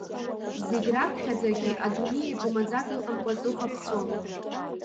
Зегьы раԥхьаӡагьы адунеи аҿы маӡак ыҟамкәа аҵыхәа ԥҵәон.